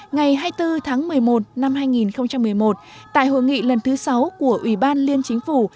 ngày hai mươi bốn tháng một mươi một năm hai nghìn một mươi một tại hội nghị lần thứ sáu của ủy ban liên chính phủ